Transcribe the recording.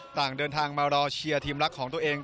ต่างเดินทางมารอเชียร์ทีมรักของตัวเอง